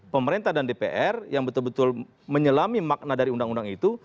pemerintah dan dpr yang betul betul menyelami makna dari undang undang itu